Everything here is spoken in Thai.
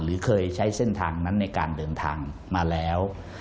หรือเคยใช้เส้นทางนั้นในการเดินทางมาแล้ว